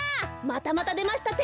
またまたでました！